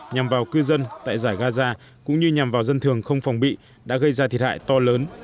nhằm vào cư dân tại giải gaza cũng như nhằm vào dân thường không phòng bị đã gây ra thiệt hại to lớn